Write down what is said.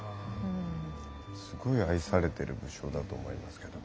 すごい愛されている武将だと思いますけども。